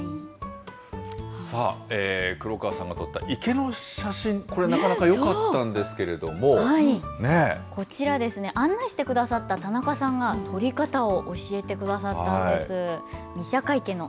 さあ、黒川さんが撮った池の写真、これ、なかなかよかったんこちら、案内してくださった田中さんが撮り方を教えてくださったんです。